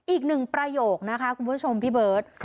อีก๑ประโยคนะครับคุณผู้ชมพี่เบิร์ต